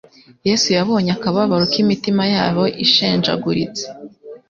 Yesu yabonye akababaro k'imitima yabo ishenjaguritse,